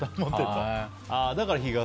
だから日傘。